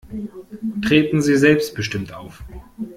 Treten Sie selbstbestimmt auf.